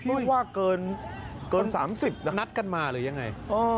ไม่รู้ว่าเกิน๓๐นัดกันมาหรือยังไง